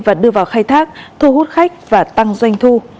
và đưa vào khai thác thu hút khách và tăng doanh thu